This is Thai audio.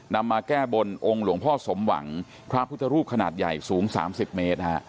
มาแก้บนองค์หลวงพ่อสมหวังพระพุทธรูปขนาดใหญ่สูง๓๐เมตร